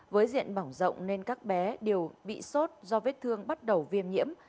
với diện bỏng rộng nên các bé đều bị sốt do vết thương bắt đầu viêm nhiễm